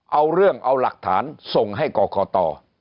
เอาเรื่องเอาหลักฐานส่งให้กรกต